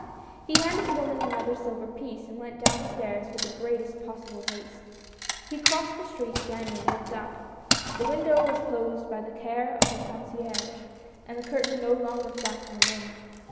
He handed the woman another silver piece, and went down the stairs with the greatest possible haste. He crossed the street again and looked up; the window was closed by the care of the con cierge, and the curtain no longer flapped in the wind.